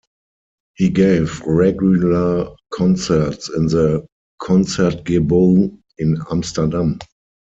He gave regular concerts in the Concertgebouw in Amsterdam.